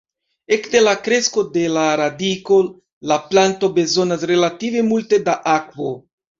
Ekde la kresko de la radiko la planto bezonas relative multe da akvo.